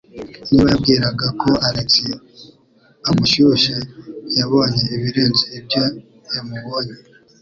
Niba yibwiraga ko Alex amushyushya, yabonye ibirenze ibyo yamubonye.